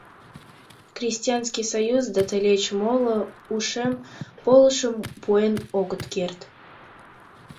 Крестьянский союз да тылеч моло ушем полышым пуэн огыт керт.